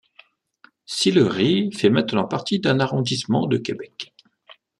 Sillery fait maintenant partie d’un arrondissement de Québec.